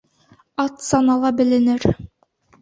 Ат санала беленер.